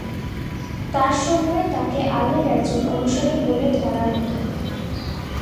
তার সময়ে তাকে আলির একজন অনুসারী বলে ধরা হত।